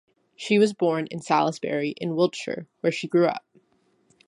She was born in Salisbury in Wiltshire, where she grew up.